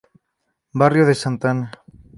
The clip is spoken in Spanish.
Barrio de Santa Ana